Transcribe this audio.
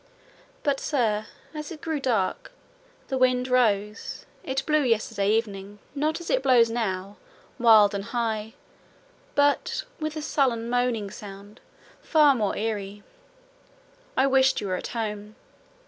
But, sir, as it grew dark, the wind rose: it blew yesterday evening, not as it blows now—wild and high—but 'with a sullen, moaning sound' far more eerie. I wished you were at home.